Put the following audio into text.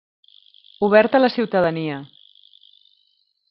Obert a la ciutadania.